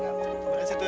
terima kasih tuan